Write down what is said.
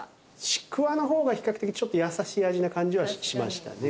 ちくわの方が比較的ちょっと優しい味な感じはしましたね